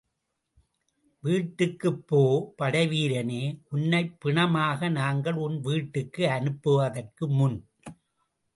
வீட்டுக்குப் போ படைவீரனே உன்னைப் பிணமாக நாங்கள் உன் வீட்டுக்கு அனுப்புவதற்கு முன்.